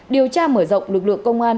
điều tra mở rộng lực lượng công an